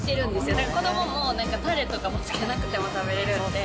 だから子どももたれとかもつけなくても食べれるんで。